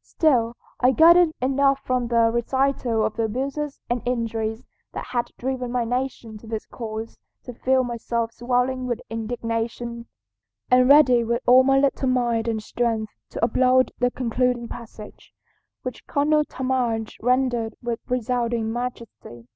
Still I gathered enough from the recital of the abuses and injuries that had driven my nation to this course to feel myself swelling with indignation, and ready with all my little mind and strength to applaud the concluding passage, which Colonel Talmadge rendered with resounding majesty.